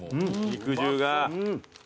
肉汁が。